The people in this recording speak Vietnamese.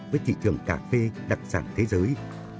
với thị trường cà phê đặc sản thế giới